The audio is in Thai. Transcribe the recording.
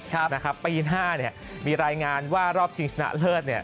ปีหน้าเนี่ยมีรายงานว่ารอบชิงชนะเลิศเนี่ย